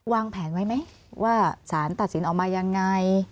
วางแผนไว้ไหมว่าสารตัดสินออกมายังไง